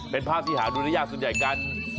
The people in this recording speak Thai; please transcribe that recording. เป็นภาพที่หาดูได้ยากส่วนใหญ่กัน